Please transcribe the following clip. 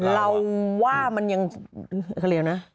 เราว่ามันยังเขาเรียกนะ